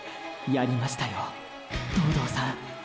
やりましたよ東堂さん。